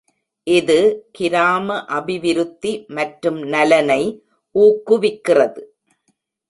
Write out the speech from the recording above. இது கிராம அபிவிருத்தி மற்றும் நலனை ஊக்குவிக்கிறது.